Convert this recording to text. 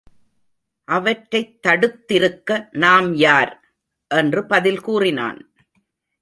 அவற்றைத் தடுத்திருக்க நாம் யார்? என்று பதில் கூறினான்.